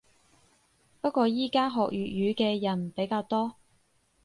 不過依家學粵語嘅人比較多